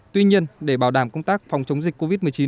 tuy nhiên để bảo đảm công tác phòng chống dịch covid một mươi chín